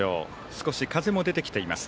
少し風も出てきています。